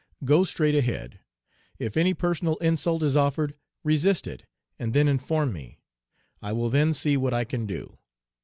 Go straight ahead. If any personal insult is offered, resist it, and then inform me; I will then see what I can do.